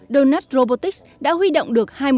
donut robotics đã huy động được